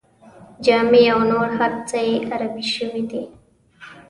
جامې او نور هر څه یې عربي شوي دي.